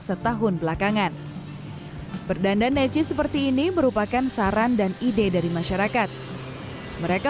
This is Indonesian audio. setahun belakangan berdandan necis seperti ini merupakan saran dan ide dari masyarakat mereka